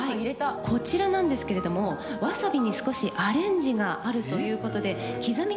はいこちらなんですけれどもわさびに少しアレンジがあるということできざみ